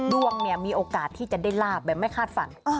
ดวงเนี่ยมีโอกาสที่จะได้ลาบแบบไม่คาดฝัน